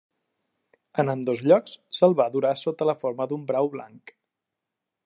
En ambdós llocs se'l va adorar sota la forma de brau blanc.